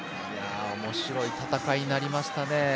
面白い戦いになりましたね。